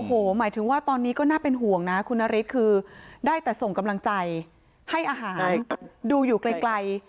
โอ้โหหมายถึงว่าตอนนี้ก็น่าเป็นห่วงนะคุณนฤทธิ์คือได้แต่ส่งกำลังใจให้อาหารดูอยู่ไกล